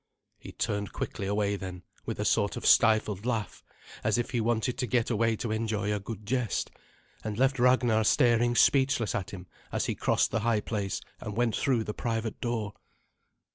He turned quickly away, then, with a sort of stifled laugh, as if he wanted to get away to enjoy a good jest, and left Ragnar staring speechless at him as he crossed the high place and went through the private door.